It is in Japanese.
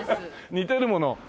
似てるもの。